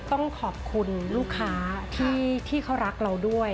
ต้องขอบคุณลูกค้าที่เขารักเราด้วย